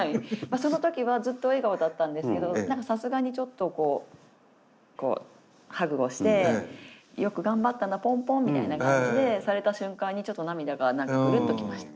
その時はずっと笑顔だったんですけどさすがにちょっとこうハグをしてよく頑張ったなポンポンみたいな感じでされた瞬間にちょっと涙がうるっときました。